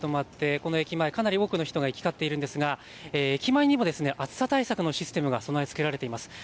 この駅前、かなり多くの人が行き交っているんですが駅前にも暑さ対策のシステムが備え付けられています。